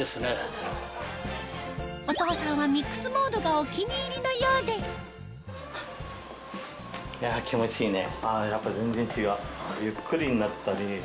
お父さんはミックスモードがお気に入りのようでいや気持ちいいね。